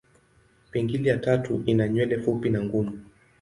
Pingili ya tatu ina nywele fupi na ngumu.